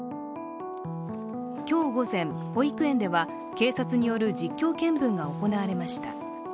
今日午前保育園では、警察による実況見分が行われました。